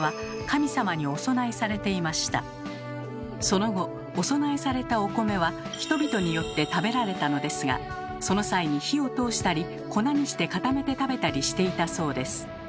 その後お供えされたお米は人々によって食べられたのですがその際に火を通したり粉にして固めて食べたりしていたそうです。